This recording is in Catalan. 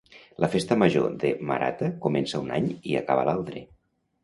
La Festa Major de Marata comença un any i acaba l'altre